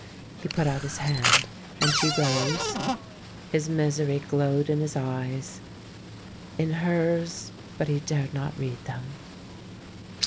He put out his hand, and she rose. His misery glowed in his eves. In hers — but he dared not read them.